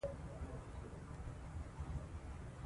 دا حديث امام مسلم رحمه الله په خپل صحيح کي روايت کړی